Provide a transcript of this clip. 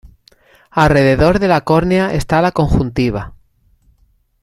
Alrededor de la córnea está la conjuntiva.